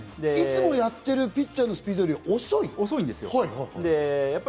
いつもやってるピッチャーのスピードより遅い？